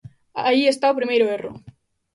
Aí está o primeiro erro.